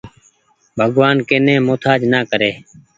ڀڳوآن ڪي ني مهتآج نآ ڪري۔